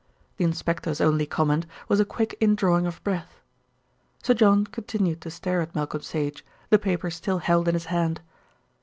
The inspector's only comment was a quick indrawing of breath. Sir John continued to stare at Malcolm Sage, the paper still held in his hand.